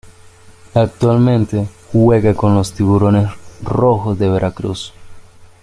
Actualmente juega con Tiburones Rojos de Veracruz.